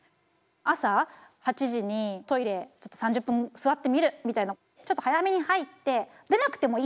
朝８時にトイレ３０分座ってみるみたいなちょっと早めに入って出なくてもいい。